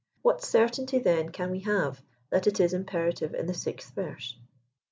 What certainty then can we have, that it is imperative in the 6th verse.